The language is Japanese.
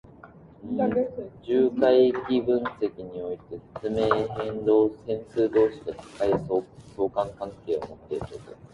重回帰分析において、説明変数同士が高い相関関係を持っている状態。